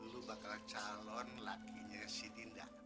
dulu bakal calon lakinya si dinda